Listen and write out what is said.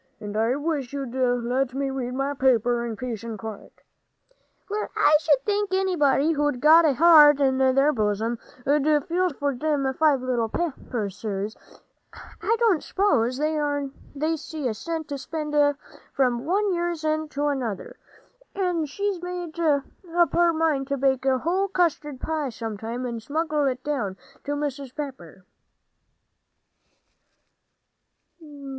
"And I wish you'd let me read my paper in peace and quiet." "Well, I sh'd think anybody who'd got a heart in their bosom 'ud feel sorry for them five little Pepperses. I don't s'pose they see a cent to spend from one year's end to another." And she made up her mind to bake a whole custard pie, sometime, and smuggle it down to Mrs. Pepper.